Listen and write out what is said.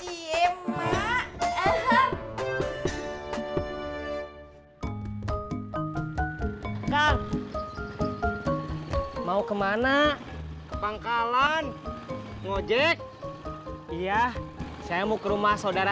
iye emak eh kan mau kemana ke pangkalan ngojek iya saya mau ke rumah saudara